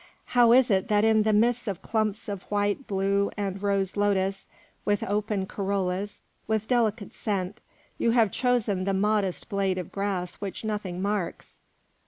How is it that in the midst of clumps of white, blue, and rose lotus, with open corollas, with delicate scent, you have chosen the modest blade of grass which nothing marks?"